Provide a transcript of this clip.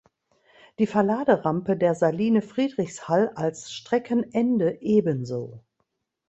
Die Verladerampe der Saline Friedrichshall als Streckenende ebenso.